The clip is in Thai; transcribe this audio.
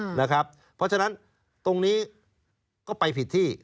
เพราะฉะนั้นตรงนี้ก็ไปผิดที่